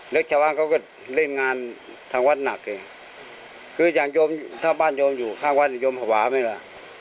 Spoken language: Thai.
เด็กชาวังเขาก็เล่นงานทางวัดหนักคืออย่างถ้าบ้านโยมอยู่ข้างวัดโยมหวา